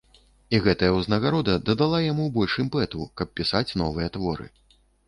І гэтая ўзнагарода дадала яму больш імпэту, каб пісаць новыя творы.